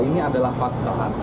ini adalah fakta